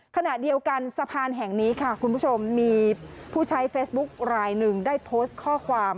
ขณะเดียวกันสะพานแห่งนี้ค่ะคุณผู้ชมมีผู้ใช้เฟซบุ๊คลายหนึ่งได้โพสต์ข้อความ